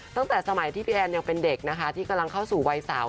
ตั้งแต่สมัยที่พี่แอนยังเป็นเด็กนะคะที่กำลังเข้าสู่วัยสาว